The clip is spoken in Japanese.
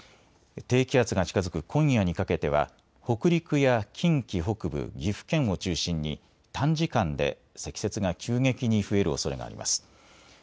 低気圧が近づく今夜にかけては北陸や近畿北部、岐阜県を中心に短時間で積雪が急激に増えるおそれがあります。